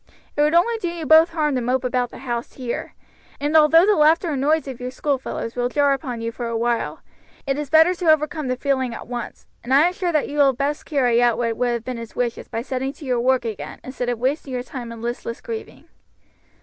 It would only do you both harm to mope about the house here; and although the laughter and noise of your schoolfellows will jar upon you for awhile, it is better to overcome the feeling at once; and I am sure that you will best carry out what would have been his wishes by setting to your work again instead of wasting your time in listless grieving."